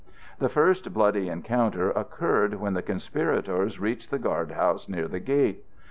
The first bloody encounter occurred when the conspirators reached the guardhouse near the gate.